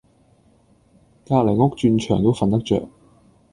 隔離屋鑽牆都瞓得著